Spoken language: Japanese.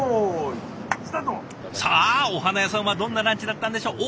さあお花屋さんはどんなランチだったんでしょう？